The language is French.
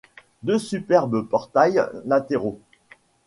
Deux superbes portails latéraux.